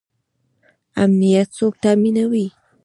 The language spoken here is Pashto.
امنیت څوک تامینوي؟